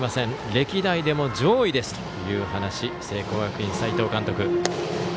歴代でも上位ですという話聖光学院、斎藤監督。